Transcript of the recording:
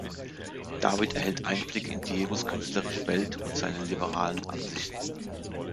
David erhält Einblick in Diegos künstlerische Welt und seine liberalen Ansichten.